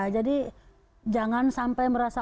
jadi jangan sampai merasa